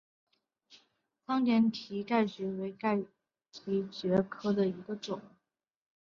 仓田蹄盖蕨为蹄盖蕨科蹄盖蕨属下的一个种。